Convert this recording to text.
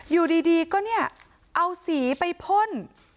อยู่ดีก็เนี่ยเอาสีไปพ่น